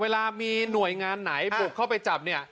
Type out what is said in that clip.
เวลามีหน่วยงานไหนบุกเข้าไปจับเนี่ย